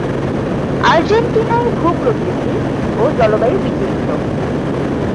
আর্জেন্টিনায় ভূ-প্রকৃতি ও জলবায়ু বিচিত্র।